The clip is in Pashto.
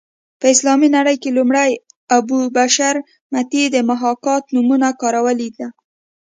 په اسلامي نړۍ کې لومړی ابو بشر متي د محاکات نومونه کارولې ده